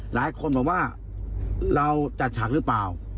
หลายคนบอกว่าเราจัดฉากหรือเปล่า